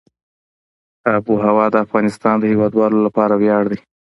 آب وهوا د افغانستان د هیوادوالو لپاره ویاړ دی.